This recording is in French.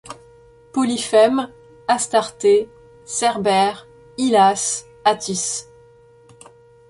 Polyphème, Astarté, Cerbère, Hylas, Atys